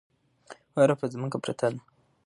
واوره په ځمکه پرته ده.